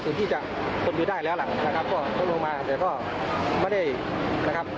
ที่จะทนอยู่ได้แล้วล่ะนะครับก็คนลงมาแต่ก็ไม่ได้นะครับ